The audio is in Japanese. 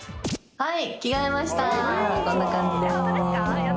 はい。